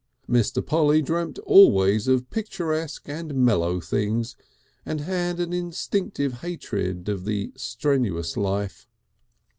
Mr. Polly dreamt always of picturesque and mellow things, and had an instinctive hatred of the strenuous life.